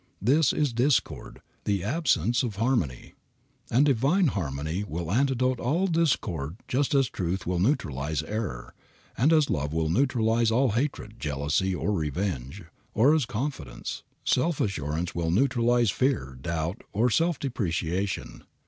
This is discord, the absence of harmony, and divine harmony will antidote all discord just as truth will neutralize error, and as love will neutralize all hatred, jealousy or revenge, or as confidence, self assurance will neutralize fear, doubt, or self depreciation.